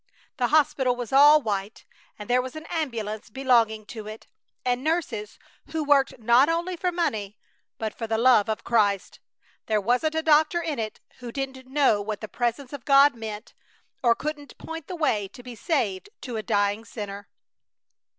The hospital was all white, and there was an ambulance belonging to it, and nurses who worked not only for money, but for the love of Christ. There wasn't a doctor in it who didn't know what the Presence of God meant, or couldn't point the way to be saved to a dying sinner.